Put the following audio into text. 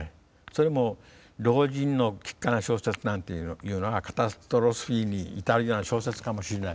それも老人の奇っ怪な小説なんていうのがカタストロフィーに至るような小説かもしれない。